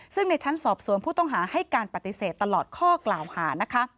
ซึ่งในชั้นสอบสวนผู้ต้องหาให้การปฏิเสธตลอดข้อกล่าวหานะคะ